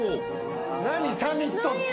何サミットって。